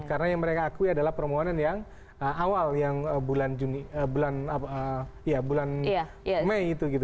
karena yang mereka akui adalah permohonan yang awal yang bulan ini